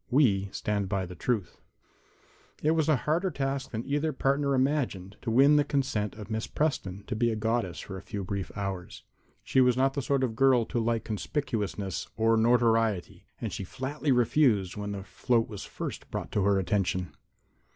|| We stand by the Truth. ||_________________________| It was a harder task than either partner imagined to win the consent of Miss Preston to be a goddess for a few brief hours. She was not the sort of girl to like conspicuousness or notoriety, and she flatly refused when the float was first brought to her attention.